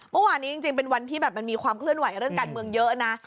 เมื่อวานนี้จริงเป็นวันที่แบบมันมีความเคลื่อนไหวเรื่องการเมืองเยอะนะ